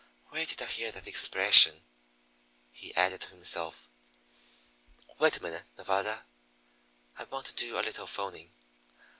"Where did I hear that expression?" he added to himself. "Wait a minute, Nevada; I want to do a little 'phoning."